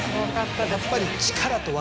やっぱり力と技。